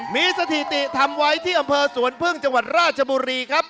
มีสถิติทำไว้ที่อำเภอสวนพึ่งจังหวัดราชบุรีครับ